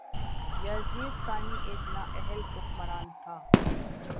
یزید ثانی ایک نااہل حکمران تھا